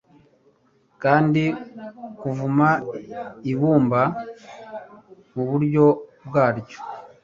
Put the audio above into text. Kandi kuvuma ibumba muburyo bwaryo